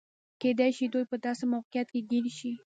کېدای شي دوی په داسې موقعیت کې ګیر شي.